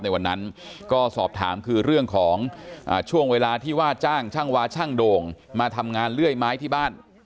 ในวันนั้นก็สอบถามคือเรื่องของช่วงเวลาที่ว่าจ้างช่างวาช่างโด่งมาทำงานเลื่อยไม้ที่บ้าน